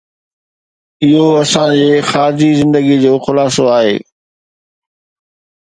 اهو اسان جي خارجي زندگي جو خلاصو آهي